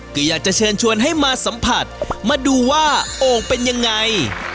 ก็อยากจะเชิญชวนให้มาสัมผัสมาดูว่าโอ่งเป็นยังไง